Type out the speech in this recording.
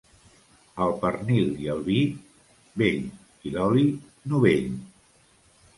El pernil i el vi, vell i l'oli novell.